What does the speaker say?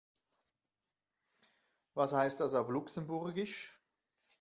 Was heißt das auf Luxemburgisch?